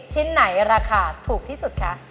ชิ้นไหนราคาถูกที่สุดคะ